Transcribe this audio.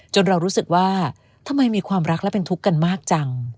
เรารู้สึกว่าทำไมมีความรักและเป็นทุกข์กันมากจัง